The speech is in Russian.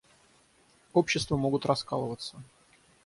Общества могут раскалываться.